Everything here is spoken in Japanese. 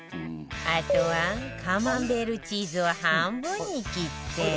あとはカマンベールチーズを半分に切って